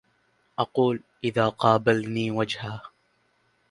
أقول إذ قابلني وجهه